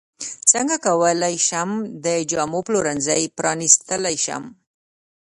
څنګه کولی شم د جامو پلورنځی پرانستلی شم